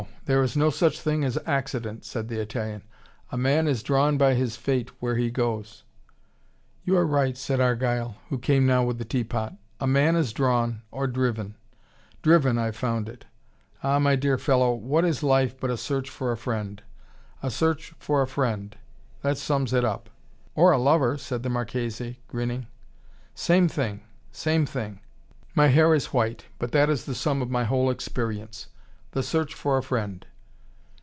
There is no such thing as accident," said the Italian. "A man is drawn by his fate, where he goes." "You are right," said Argyle, who came now with the teapot. "A man is drawn or driven. Driven, I've found it. Ah, my dear fellow, what is life but a search for a friend? A search for a friend that sums it up." "Or a lover," said the Marchese, grinning. "Same thing. Same thing. My hair is white but that is the sum of my whole experience. The search for a friend."